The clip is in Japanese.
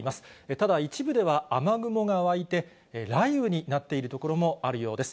ただ、一部では雨雲が湧いて、雷雨になっている所もあるようです。